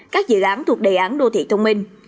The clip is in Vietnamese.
các dự án thuộc đề án đô thị thông minh